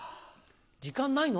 時間ないの？